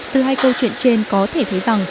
từ hai câu chuyện trên có thể thấy rằng